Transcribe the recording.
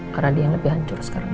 karena dia yang lebih hancur sekarang